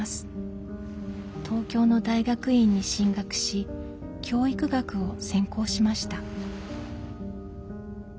東京の大学院に進学し教育学を専攻しました。